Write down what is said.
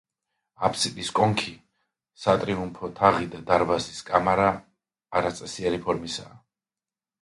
აფსიდის კონქი, სატრიუმფო თაღი და დარბაზის კამარა არაწესიერი ფორმისაა.